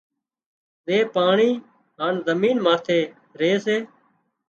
زي پاڻي هانَ زمين ماٿي ري سي